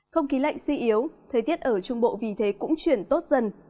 không khí lạnh suy yếu thời tiết ở trung bộ vì thế cũng chuyển tốt dần